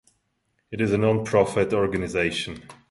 It is a non-profit organization.